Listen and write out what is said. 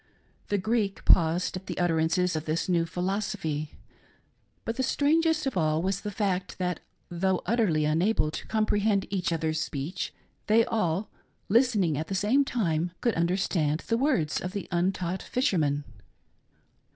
The Greek paused at the utterances of this new phil osophy. But strangest of all was the fact that, though utterly unable to comprehend each other's speech, they all, listening at the same time, could understand the words of the untaught fisherman.